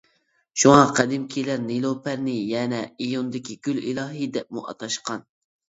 شۇڭا، قەدىمكىلەر نېلۇپەرنى يەنە «ئىيۇندىكى گۈل ئىلاھى» دەپمۇ ئاتاشقان.